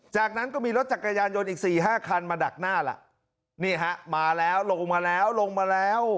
จากนั้นก็มีรถจักรยานยนต์อีกสี่ห้าคันมาดักหน้าล่ะนี่ฮะมาแล้วลงมาแล้วลงมาแล้ว